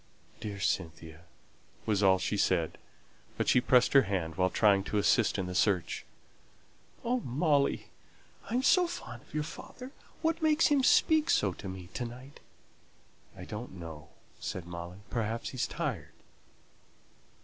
"Dear Cynthia," was all she said; but she pressed her hand while trying to assist in the search. "Oh, Molly, I am so fond of your father; what makes him speak so to me to night?" "I don't know," said Molly; "perhaps he's tired."